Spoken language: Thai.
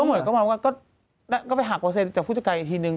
เหมือนก็มาว่าก็ไปหักเปอร์เซ็นจากผู้จัดการอีกทีนึง